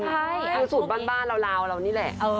คือสูตรบ้านราวเรานี่แหละ